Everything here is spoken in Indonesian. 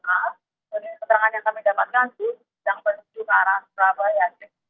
jadi perkerangan yang kami dapatkan itu sedang berjalan ke arah surabaya